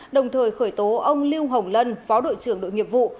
đồng thời khởi tố ông lưu hồng lân phó đội trưởng đội nghiệp vụ